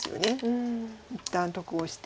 一旦得をして。